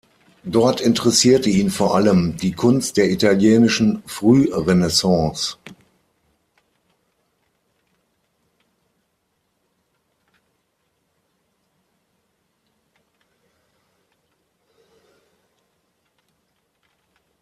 Dort interessierte ihn vor allem die Kunst der italienischen Frührenaissance.